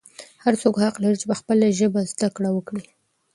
هر څوک حق لري چې په خپله ژبه زده کړه وکړي.